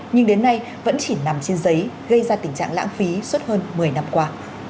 nhưng đến nay vẫn chỉ nằm trên giấy gây ra tình trạng lãng phí suốt hơn một mươi năm qua